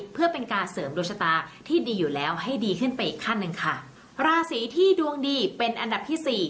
เพื่อเป็นการเสริมดวงชะตาที่ดีอยู่แล้วให้ดีขึ้นไปอีกขั้นหนึ่งค่ะราศีที่ดวงดีเป็นอันดับที่สี่